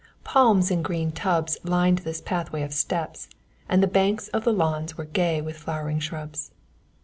Palms in green tubs lined this pathway of steps, and the banks of the lawns were gay with flowering shrubs.